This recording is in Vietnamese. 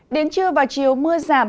đến trưa vào chiều mưa giảm